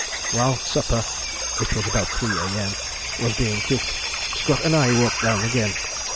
While supper (it was about 3 A.M.) was being cooked, Scott and I walked down again.